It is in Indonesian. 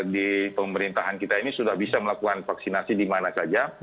di pemerintahan kita ini sudah bisa melakukan vaksinasi di mana saja